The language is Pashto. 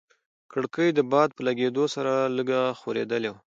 کړکۍ د باد په لګېدو سره لږه ښورېدلې وه.